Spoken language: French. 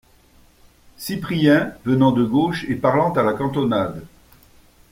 Cyprien venant de gauche et parlant à la cantonade.